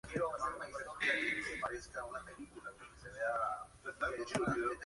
Su padre era de Virginia y su madre de Kentucky.